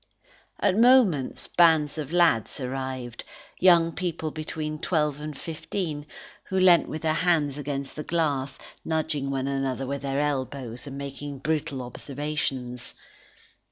At moments, bands of lads arrived young people between twelve and fifteen, who leant with their hands against the glass, nudging one another with their elbows, and making brutal observations.